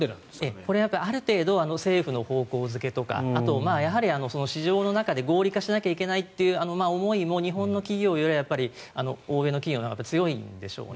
これはある程度、政府の方向付けとかあと、市場の中で合理化しなきゃいけないという思いも日本の企業よりは欧米の企業のほうが強いんでしょうね。